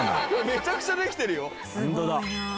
めちゃくちゃできてるよ。